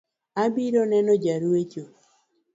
Abiyo neno ja ruecho